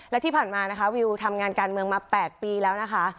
และที่ผ่านมานะคะวิวทำงานการเมืองมา๘ปีแล้วนะคะ